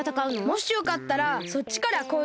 もしよかったらそっちからこうげきどうぞ！